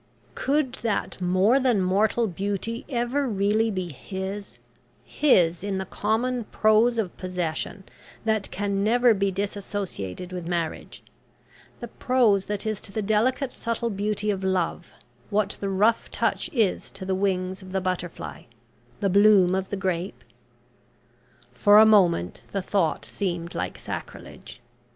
Could that more than mortal beauty ever really be his his in the common prose of possession that can never be disassociated with marriage the prose that is to the delicate subtle beauty of love, what the rough touch is to the wings of the butterfly, the bloom of the grape? For a moment the thought seemed like sacrilege.